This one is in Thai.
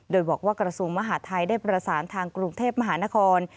โดยบอกว่ากระทรวงมหาทัยได้ประสานทางกรุงเทพมหานคร